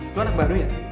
lo anak baru ya